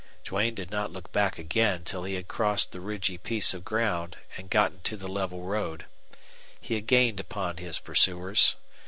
Duane did not look back again till he had crossed the ridgy piece of ground and had gotten to the level road. He had gained upon his pursuers.